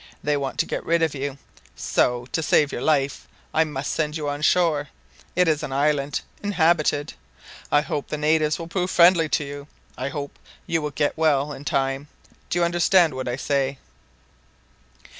They want to get rid of you, so, to save your life, I must send you on shore. It is an island inhabited. I hope the natives will prove friendly to you. I hope you will get well in time. Do you understand what I say?"